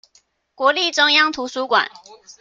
國立中央圖書館